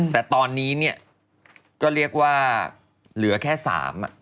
แต่ตอนนี้ก็เรียกว่าเหลือแค่๓อ่ะ